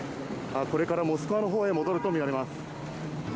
これからモスクワのほうに戻ると見られます。